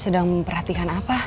sedang perhatikan apa